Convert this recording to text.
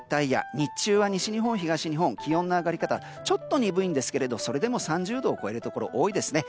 日中は西日本、東日本気温の上がり方は少し鈍いですがそれでも３０度を超えるところが多いですね。